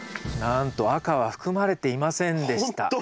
なんと赤は含まれていませんでした。